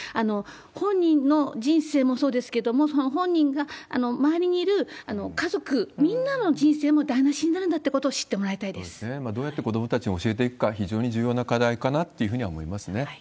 本人の人生もそうですけれども、その本人が周りにいる家族みんなの人生も台なしになるんだってこどうやって子どもたちに教えていくか、非常に重要な課題かなっていうふうには思いますね。